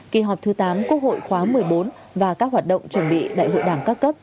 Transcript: kỳ họp thứ tám quốc hội khóa một mươi bốn và các hoạt động chuẩn bị đại hội đảng các cấp